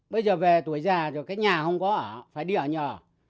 bây giờ về tuổi già rồi cái nhà không có ở phải đi ở nhờ